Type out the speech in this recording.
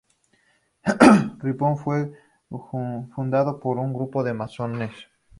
Ripon fue fundado por un grupo de masones.